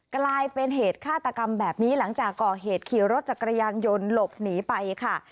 กลายเป็นเหตุฆาตกรรมแบบนี้หลังจากก่อเหตุขี่รถจักรยานยนต์หลบหนีไปค่ะ